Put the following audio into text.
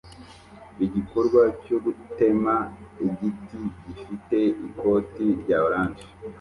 Igikorwa cyo gutema igiti gifite ikoti rya orange